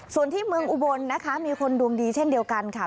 ส่วนที่เมืองอุบลนะคะมีคนดวงดีเช่นเดียวกันค่ะ